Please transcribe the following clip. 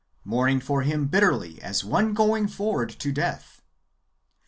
Mourning for him bitterly as one going forward to death."